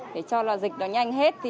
để cho là dịch nó nhanh hết thì